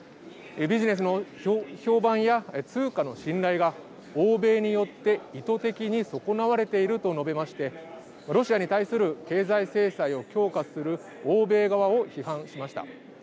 ビジネスの評判や通貨の信頼が欧米によって意図的に損なわれていると述べましてロシアに対する経済制裁を強化する欧米側を批判しました。